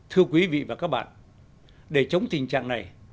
thưa quý vị và các bạn để chống tình trạng này